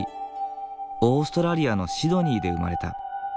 オーストラリアのシドニーで生まれた。